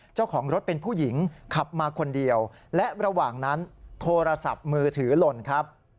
เจ้าของรถเป็นผู้หญิงขับมาคนเดียวและระหว่างนั้นโทรศัพท์มือถือหล่นครับ